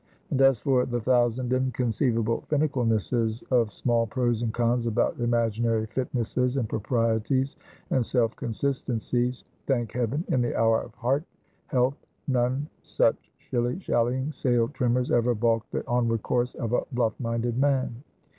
And as for the thousand inconceivable finicalnesses of small pros and cons about imaginary fitnesses, and proprieties, and self consistencies; thank heaven, in the hour of heart health, none such shilly shallying sail trimmers ever balk the onward course of a bluff minded man.